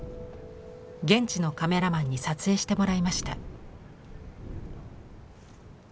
現地のカメラマンに撮影してもらいました。